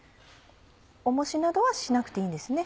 重しなどはしなくていいんですね？